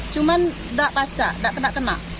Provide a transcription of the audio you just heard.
cuman nggak pacar nggak kena kena